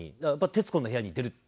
「『徹子の部屋』に出る」。